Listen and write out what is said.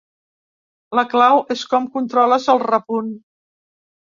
La clau és com controles el repunt.